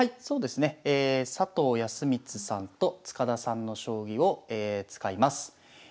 そうですね佐藤康光さんと塚田さんの将棋を使います。